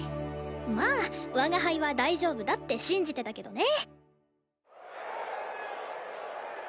まあ我が輩は大丈夫だって信じてたけどね。